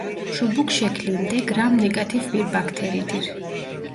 Çubuk şeklinde gram negatif bir bakteridir.